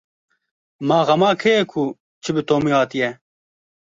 Ma xema kê ye ku çi bi Tomî hatiye?